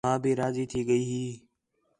ماں بھی راضی تھی ڳئی ہی